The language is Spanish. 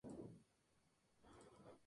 Pero el tono debió cambiar rápidamente.